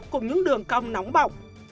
cùng những đường cong nóng bọc